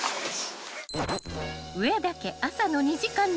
［上田家朝の２時間に挑戦］